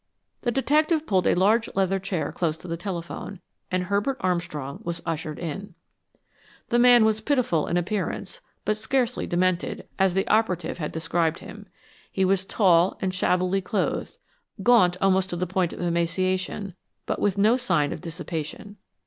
The detective pulled a large leather chair close to the telephone, and Herbert Armstrong was ushered in. The man was pitiful in appearance, but scarcely demented, as the operative had described him. He was tall and shabbily clothed, gaunt almost to the point of emaciation, but with no sign of dissipation.